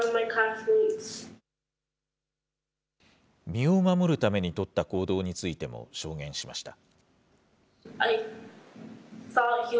身を守るために取った行動についても証言しました。